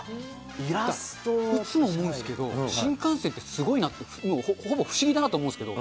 いつも思うんですけど、新幹線ってすごいなって、ほぼ不思議だなと思うんですけど。